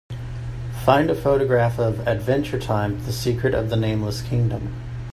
Find a photograph of Adventure Time: The Secret of the Nameless Kingdom